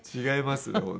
違いますね